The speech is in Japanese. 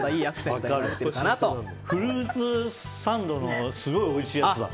フルーツサンドのすごいおいしいやつだ。